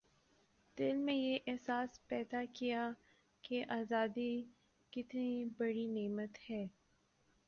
دل میں یہ احساس پیدا کیا کہ آزادی کتنی بڑی نعمت ہے